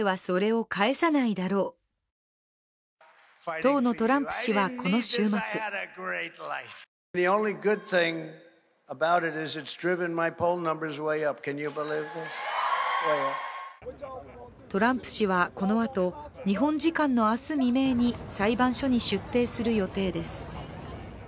当のトランプ氏は、この週末トランプ氏はこのあと、日本時間の明日未明に裁判所に出廷する予定です。